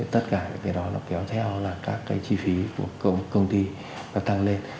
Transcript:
tất cả cái đó kéo theo các chi phí của công ty tăng lên